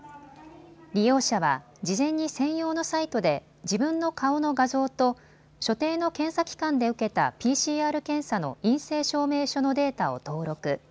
利用者は事前に専用のサイトで自分の顔の画像と所定の検査機関で受けたＰＣＲ検査の陰性証明書のデータを登録。